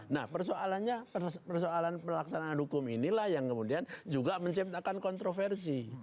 nah persoalannya persoalan pelaksanaan hukum inilah yang kemudian juga menciptakan kontroversi